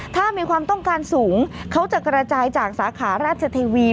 ถ้ามีความต้องการสูงเขาจะกระจายจากสาขาราชเทวี